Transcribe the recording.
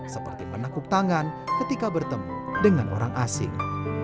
seperti menakuk tangan ketika bertemu dengan orang asing